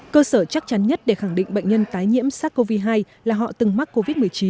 cơ sở chắc chắn nhất để khẳng định bệnh nhân tái nhiễm sars cov hai là họ từng mắc covid một mươi chín